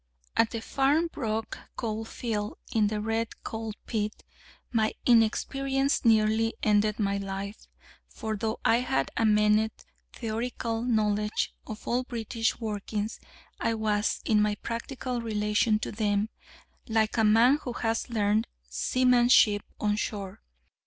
At the Farnbrook Coal field, in the Red Colt Pit, my inexperience nearly ended my life: for though I had a minute theoretical knowledge of all British workings, I was, in my practical relation to them, like a man who has learnt seamanship on shore.